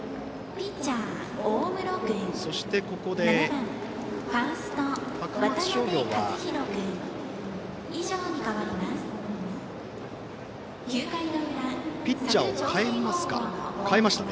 そして、ここで高松商業がピッチャーを代えました。